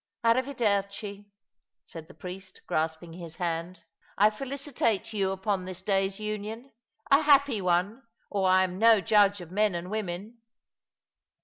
*' A riverderci" said the priest, grasping his hand, "I felicitate you upon this day's union ; a happy one, or I am no judge of men and women."